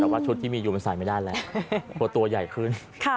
แต่ว่าชุดที่มีอยู่มันใส่ไม่ได้แล้วตัวใหญ่ขึ้น